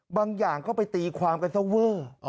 บางอย่างก็ไปตีความกันซะเวอร์